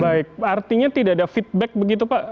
baik artinya tidak ada feedback begitu pak